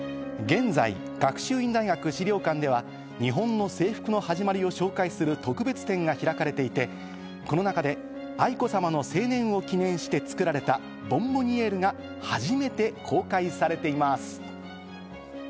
現在、学習院大学史料館では日本の制服の始まりを紹介する特別展が開かれていて、この中で愛子さまの成年を記念して作られた、ボンボニエールが初めて公開されています。